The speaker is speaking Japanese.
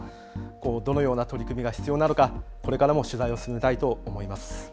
どのような取り組みが必要なのかこれからも取材を進めたいと思います。